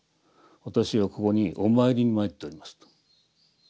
「私はここにお参りに参っております」と。